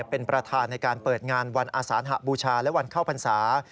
เป็นประธานในการเปิดงานวันอาสานหบูชาและวันเข้าพรรษา